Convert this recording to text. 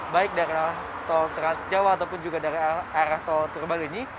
baik dari tol transjawa ataupun juga dari arah tol purbalunyi